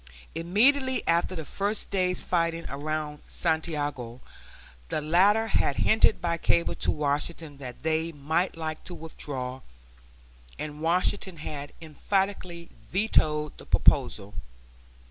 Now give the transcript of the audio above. Immediately after the first day's fighting around Santiago the latter had hinted by cable to Washington that they might like to withdraw, and Washington had emphatically vetoed the proposal.